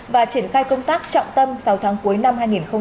và triển khai công tác trọng tâm sáu tháng cuối năm hai nghìn hai mươi